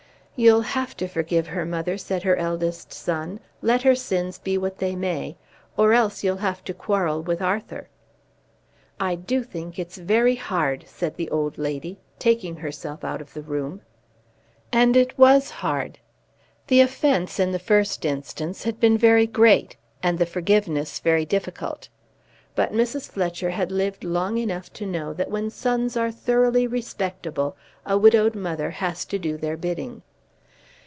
"You'll have to forgive her, mother," said her eldest son, "let her sins be what they may, or else you'll have to quarrel with Arthur." "I do think it's very hard," said the old lady, taking herself out of the room. And it was hard. The offence in the first instance had been very great, and the forgiveness very difficult. But Mrs. Fletcher had lived long enough to know that when sons are thoroughly respectable a widowed mother has to do their bidding.